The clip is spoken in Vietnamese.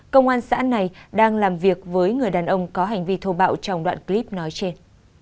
công an xã này đang làm việc với người đàn ông có hành vi thô bạo trong đoạn clip nói trên